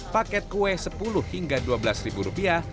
paket kue sepuluh hingga dua belas ribu rupiah